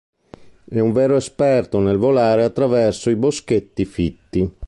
È un vero esperto nel volare attraverso i boschetti fitti.